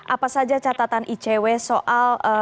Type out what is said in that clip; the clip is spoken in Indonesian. apa saja catatan icw soal